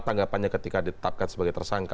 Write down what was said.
tanggapannya ketika ditetapkan sebagai tersangka